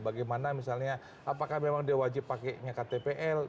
bagaimana misalnya apakah memang dia wajib pakainya ktpl